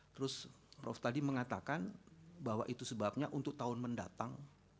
terus prof tadi mengatakan bahwa itu sebabnya untuk tahun mendatang